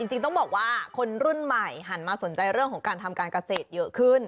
จริงต้องบอกว่าคนรุ่นใหม่หันมาสนใจเรื่องของการทำการเกษตรเยอะขึ้น